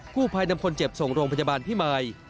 ผู้ภัยนำคนเจ็บส่งโรงพยาบาลพิมาย